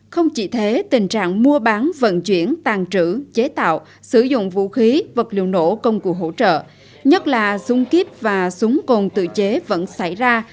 không chỉ thế tình trạng mua bán vận chuyển tàn trữ chế tạo sử dụng vũ khí vật liệu nổ công cụ hỗ trợ nhất là súng kíp và súng cồn tự chế vẫn xảy ra